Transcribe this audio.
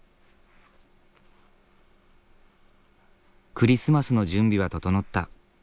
クリスマスの準備は整った。